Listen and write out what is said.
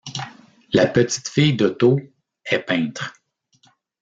La petite-fille d'Otto, est peintre.